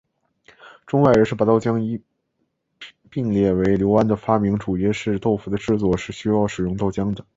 中外人士把豆浆一拼列为刘安的发明主因是豆腐的制作是需要使用豆浆的。